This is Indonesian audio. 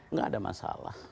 nggak ada masalah